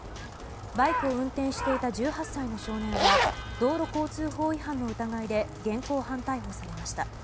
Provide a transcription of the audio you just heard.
バイクを運転していた１８歳の少年は道路交通法違反の疑いで現行犯逮捕されました。